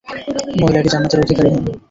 মহিলাটি জান্নাতের অধিকারী হন।